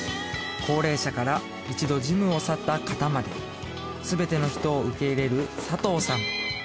高齢者から一度ジムを去った方まで全ての人を受け入れる佐藤さん